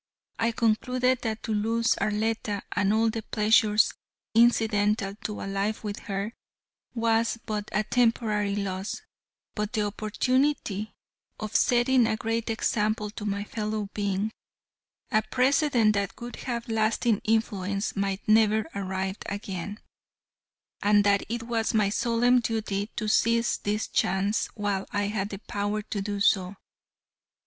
I concluded that to lose Arletta, and all the pleasures incidental to a life with her, was but a temporary loss, but the opportunity of setting a great example to my fellow beings, a precedent that would have lasting influence, might never arrive again, and that it was my solemn duty to seize this chance while I had the power to do so.